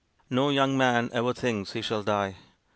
No young man ever thinks he shall die.